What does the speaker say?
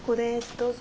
どうぞ。